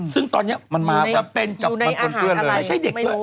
ซึ่งตอนนี้จะเป็นกับ